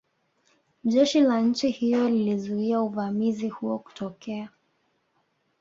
Jeshi la nchi hiyo lilizuia uvamizi huo kutokea